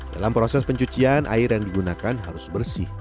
dalam proses pencucian air yang digunakan harus bersih